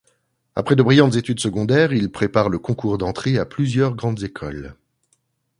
Après de brillantes études secondaires, il prépare le concours d'entrée à plusieurs grandes écoles.